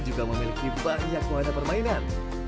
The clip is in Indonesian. juga memiliki banyak wahana permainan